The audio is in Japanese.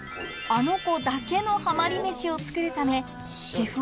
アノ娘だけのハマり飯を作るためシェフ